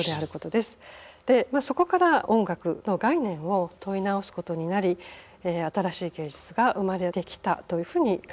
でまあそこから音楽の概念を問い直すことになり新しい芸術が生まれてきたというふうに感じます。